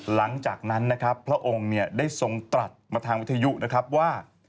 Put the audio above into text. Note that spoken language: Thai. หลังจากนั้นนะครับพระองค์เนี่ยได้ทรงตรัสมาทางวิทยุนะครับว่า